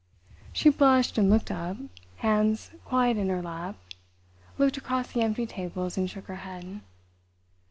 She blushed and looked up, hands quiet in her lap, looked across the empty tables and shook her head.